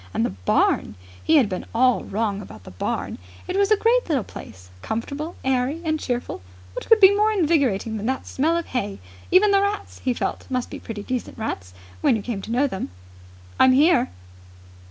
And the barn! He had been all wrong about the barn. It was a great little place, comfortable, airy, and cheerful. What could be more invigorating than that smell of hay? Even the rats, he felt, must be pretty decent rats, when you came to know them. "I'm here!"